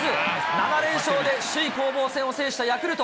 ７連勝で首位攻防戦を制したヤクルト。